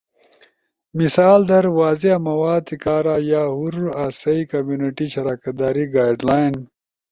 مثال در واضح مواد کارا یا ہور آسئی کمیونٹی شراکت داری گائیڈلائن